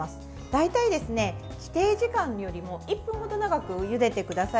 大体、規定時間よりも１分程長くゆでてください。